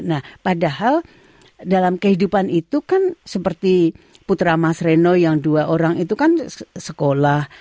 nah padahal dalam kehidupan itu kan seperti putra mas reno yang dua orang itu kan sekolah